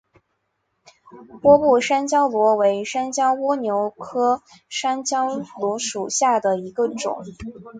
波部山椒螺为山椒蜗牛科山椒螺属下的一个种。